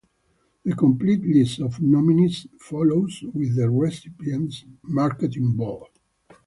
The complete list of nominees follows, with the recipients marked in bold.